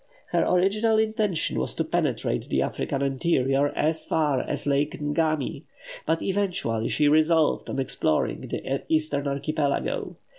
Her original intention was to penetrate the African interior as far as Lake Ngami; but eventually she resolved on exploring the Eastern Archipelago.